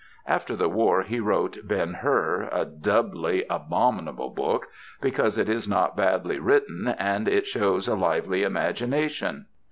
After the war he wrote "Ben Hur," a doubly abominable book, because it is not badly written and it shows a lively imagination.